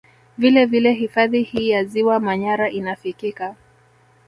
Vile vile hifadhi hii ya ziwa Manyara inafikika